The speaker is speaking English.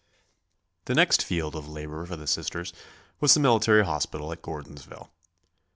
The next field of labor for the Sisters was the military hospital at Gordonsville.